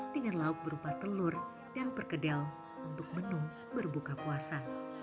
dengan lauk berupa telur dan perkedel untuk menu berbuka puasa